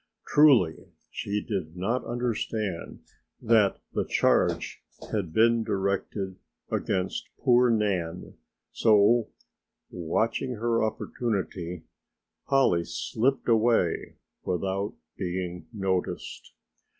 Truly she did not understand that the charge had been directed against poor Nan, so watching her opportunity Polly slipped away without being noticed.